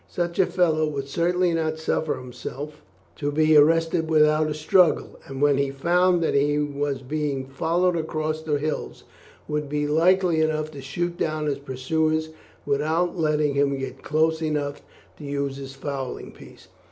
Such a fellow would certainly not suffer himself to be arrested without a struggle, and when he found that he was being followed across the hills, would be likely enough to shoot down his pursuer without letting him get close enough to use his fowling piece.